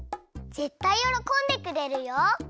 ぜったいよろこんでくれるよ！